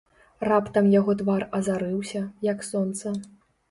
Раптам яго твар азарыўся, як сонца.